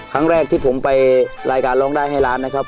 ครั้งแรกที่ผมไปรายการร้องได้ให้ล้านนะครับ